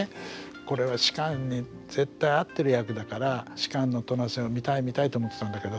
これは芝に絶対合ってる役だから芝の戸無瀬を見たい見たいと思ってたんだけど。